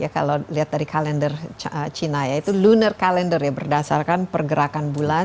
kalau lihat dari kalender china ya itu lunar kalender ya berdasarkan pergerakan bulan